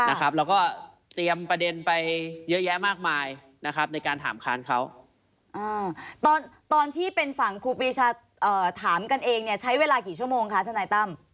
นะครับเราก็เตรียมประเด็นไปเยอะแยะมากมาย